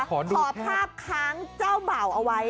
ขอภาพค้างเจ้าบ่าวเอาไว้